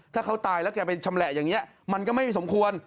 ถ้าเขาตายแล้วแกไปชำแหละอย่างนี้มันก็ไม่สมควร